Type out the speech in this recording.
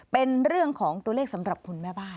เป็นเรื่องของตัวเลขสำหรับคุณแม่บ้าน